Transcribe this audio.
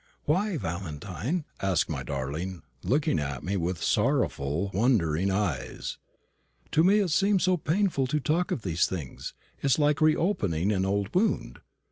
"Why, Valentine?" asked my darling, looking at me with sorrowful, wondering eyes, "To me it seems so painful to talk of these things: it is like reopening an old wound."